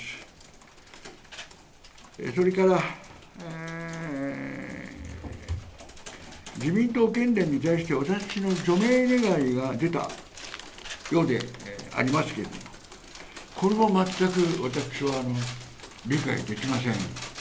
それから、自民党県連に対して私の除名願が出たようでありますけれども、これも全く私は理解できません。